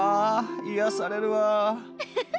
癒やされるわ。